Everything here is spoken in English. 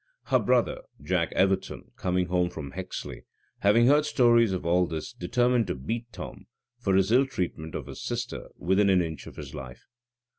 Her brother, Jack Everton, coming over from Hexley, having heard stories of all this, determined to beat Tom, for his ill treatment of his sister, within an inch of his life.